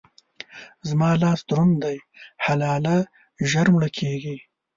زما لاس دروند دی؛ حلاله ژر مړه کېږي.